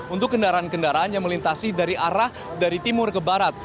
untuk kendaraan kendaraan yang melintasi dari arah dari timur ke barat